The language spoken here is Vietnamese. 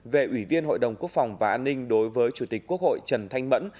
về ủy viên hội đồng quốc phòng và an ninh đối với chủ tịch quốc hội trần thanh mẫn